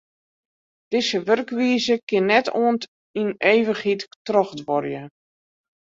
Dizze wurkwize kin net oant yn ivichheid trochduorje.